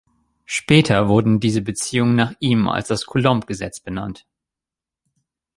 Später wurden diese Beziehungen nach ihm als das Coulomb-Gesetz benannt.